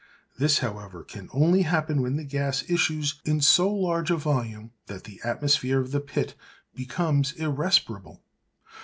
This, however, can only happen when the gas issues in so large a volume that the atmosphere of the pit becomes irrespirable.